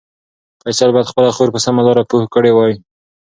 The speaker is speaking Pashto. فیصل باید خپله خور په سمه لاره پوه کړې وای.